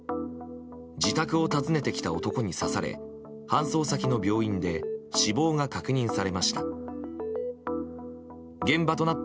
自宅を訪ねてきた男に刺され搬送先の病院で死亡が確認されました。